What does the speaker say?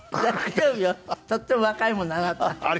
とっても若いものあなた。